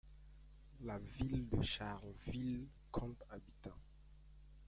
La ville de Charleville compte habitants.